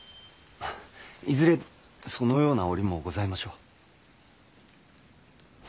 いずれそのような折もございましょう。